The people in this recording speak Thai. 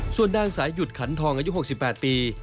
ส่วนนางสายหยุดขันทองอายุ๖๘ปี